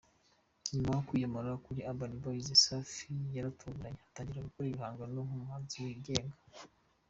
Nyuma yo kwiyomora kuri Urban Boyz, Safi yaratunguranye atangira gukora ibihangano nk’umuhanzi wigenga.